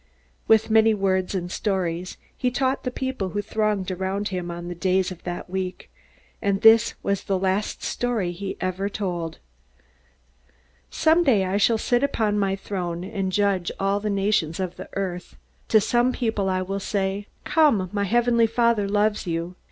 With many words and stories he taught the people who thronged around him on the days of that week. And this was the last story he ever told: "Someday I shall sit upon my throne, and judge all the nations of the earth. To some people I will say: "'Come my Heavenly Father loves you.